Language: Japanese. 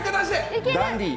ダンディ。